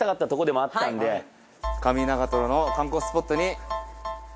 上長の観光スポットに。